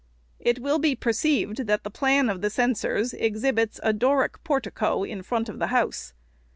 ] It will be perceived, that the " Plan " of the censors exhibits a Doric portico in front of the house.